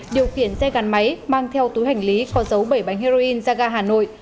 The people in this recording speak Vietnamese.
điều khiển xe gắn máy mang theo túi hành lý có dấu bảy bánh heroin ra ga hà nội